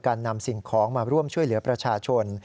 นำสิ่งของมาร่วมช่วยเหลือประชาชน